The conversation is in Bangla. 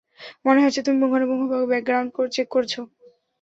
মনে হচ্ছে তুমি পুঙ্খানুপুঙ্খভাবে ব্যাকগ্রাউন্ড চেক করেছ।